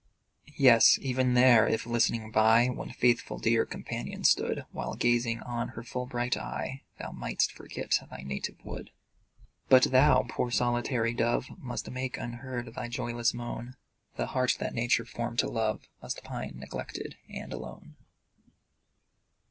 Yes, even there, if, listening by, One faithful dear companion stood, While gazing on her full bright eye, Thou mightst forget thy native wood But thou, poor solitary dove, Must make, unheard, thy joyless moan; The heart that Nature formed to love Must pine, neglected, and alone.